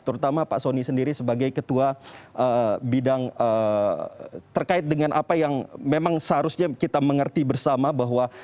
terutama pak soni sendiri sebagai ketua bidang terkait dengan apa yang memang seharusnya kita mengerti bersama bahwa